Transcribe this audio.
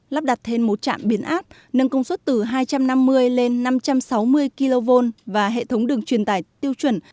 lắp đặt thêm một trạm biến áp nâng công suất từ hai trăm năm mươi lên năm trăm sáu mươi kv và hệ thống đường truyền tải tiêu chuẩn